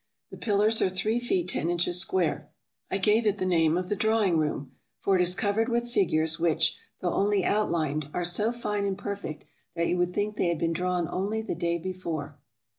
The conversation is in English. The pillars are three feet ten inches square. I gave it the name of the Drawing Room; for it is covered with figures which, though only outlined, are so fine and perfect that you would think they had been drawn only the day before.